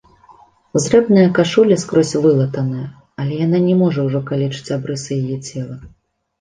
Зрэбная кашуля скрозь вылатаная, але яна не можа ўжо калечыць абрысы яе цела.